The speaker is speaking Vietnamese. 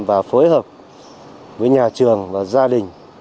và phối hợp với nhà trường và gia đình